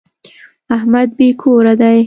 احمد بې کوره دی.